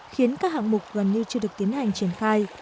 khiến các hạng mục gần như chưa được tiến hành triển khai